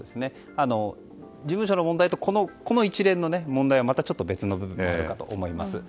事務所の問題とこの一連の問題はまたちょっと別の部分もあるかと思います。